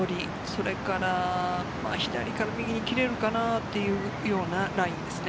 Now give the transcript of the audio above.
それから左から右に切れるかなっていうようなラインですね。